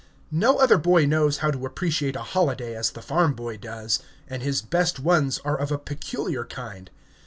No other boy knows how to appreciate a holiday as the farm boy does; and his best ones are of a peculiar kind.